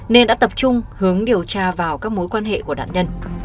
nên đã tập trung hướng điều tra vào các mối quan hệ của nạn nhân